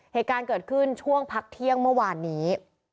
เหตุการณ์เกิดขึ้นช่วงพักเที่ยงเมื่อวานนี้